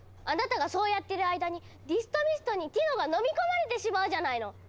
あなたがそうやってる間にディストミストにティノがのみ込まれてしまうじゃないの！